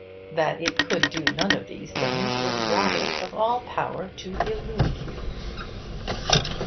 That it could do none of these things would rob it of all power to illude you.